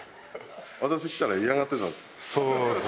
私来たら嫌がってたんですよ。